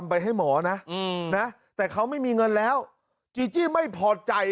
ไปให้หมอนะแต่เขาไม่มีเงินแล้วจีจี้ไม่พอใจ